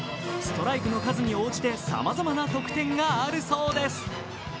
ストライクの数に応じてさまざまな特典があるそうです。